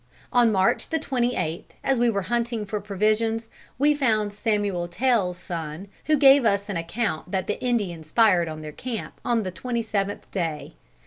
On March the Twenty eighth, as we were hunting for provisions, we found Samuel Tale's son who gave us an account that the Indians fired on their camp on the twenty seventh day.